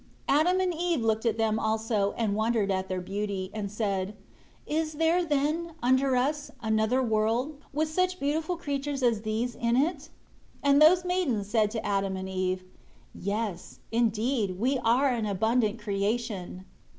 3 Adam and Eve looked at them also, and wondered at their beauty, and said, "Is there, then, under us, another world, with such beautiful creatures as these in it?" 4 And those maidens said to Adam and Eve, "Yes, indeed, we are an abundant creation."